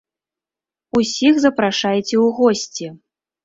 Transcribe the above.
Усіх запрашайце ў госці.